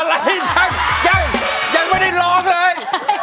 อะไรช่างยังยังไม่ได้ร้องเลย